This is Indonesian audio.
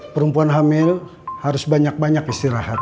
perempuan hamil harus banyak banyak istirahat